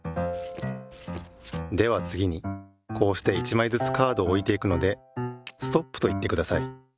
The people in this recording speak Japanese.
ではつぎにこうして１まいずつカードをおいていくので「ストップ」といってください。